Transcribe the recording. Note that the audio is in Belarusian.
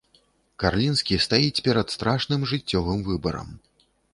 Карлінскі стаіць перад страшным жыццёвым выбарам.